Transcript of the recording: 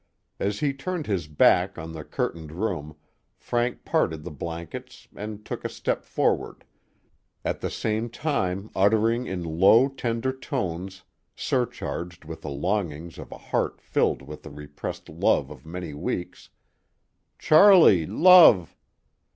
As he turned his back on the curtained room Frank parted the blankets and took a step forward, at the same time uttering in low, tender tones, surcharged with the longings of a heart filled with the re pressed love of many weeks, Charlie, love!"